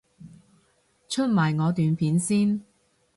出埋我段片先